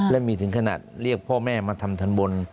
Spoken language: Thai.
และมีถึงขนาดเรียกพ่อแม่มาทำธรรมนิษฐ์